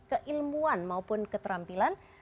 keilmuan maupun keterampilan